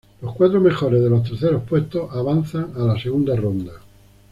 Los cuatro mejores de los terceros puestos avanzan a la segunda ronda.